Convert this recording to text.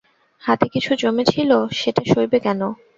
হাতে কিছু জমেছিল, সেটা সইবে কেন!